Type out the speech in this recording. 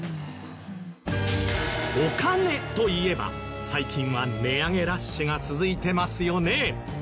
お金といえば最近は値上げラッシュが続いてますよね。